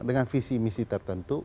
dengan visi misi tertentu